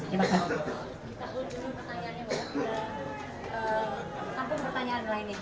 kita hold dulu pertanyaannya